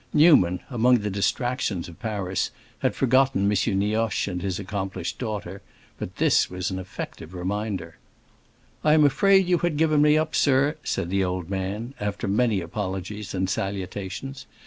Newman, among the distractions of Paris, had forgotten M. Nioche and his accomplished daughter; but this was an effective reminder. "I am afraid you had given me up, sir," said the old man, after many apologies and salutations.